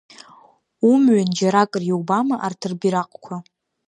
Умҩан џьаракыр иубама арҭ рбираҟқәа?